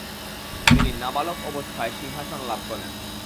তিনি নাবালক অবস্থায় সিংহাসনলাভ করেন।